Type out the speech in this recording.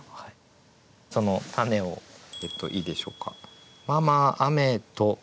そのたねをいいでしょうか。